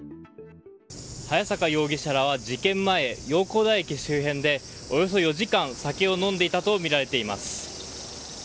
早坂容疑者らは事件前洋光台駅周辺でおよそ２時間、酒を飲んでいたとみられています。